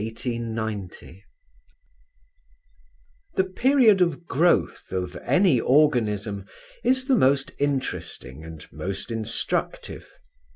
CHAPTER VIII The period of growth of any organism is the most interesting and most instructive.